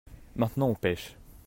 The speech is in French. maintenant on pêche.